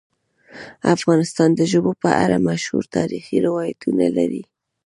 افغانستان د ژبو په اړه مشهور تاریخی روایتونه لري.